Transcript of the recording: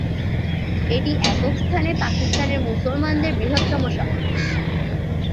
এটি একক স্থানে পাকিস্তানের মুসলমানদের বৃহত্তম সমাবেশ।